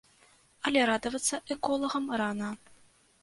Але радавацца эколагам рана.